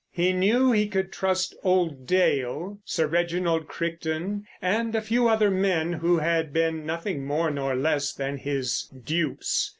He knew he could trust old Dale, Sir Reginald Crichton, and a few other men who had been nothing more nor less than his dupes.